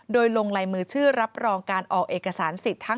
โดยลงลายมือชื่อรับรองการออกเอกสารสิทธิ์ทั้ง